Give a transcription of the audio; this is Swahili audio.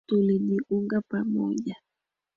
Tulijiunga pamoja.